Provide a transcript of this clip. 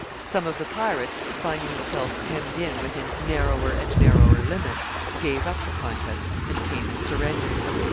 Some of the pirates, finding themselves hemmed in within narrower and narrower limits, gave up the contest, and came and surrendered.